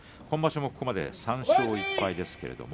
今場所もここまで３勝１敗です。